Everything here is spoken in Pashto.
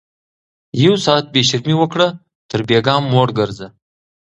ـ يو ساعت بې شرمي وکړه تر بيګاه موړ ګرځه